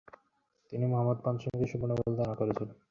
তিনি মুহম্মদ পঞ্চমকে সম্পূর্ণ ভুল ধারণা করেছিলেন।